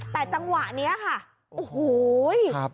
แต่จังหวะนี้ค่ะโอ้โห